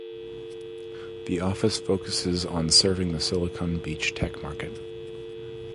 The office focuses on serving the Silicon Beach tech market.